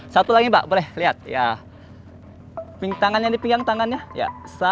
sekejap ya pokoknya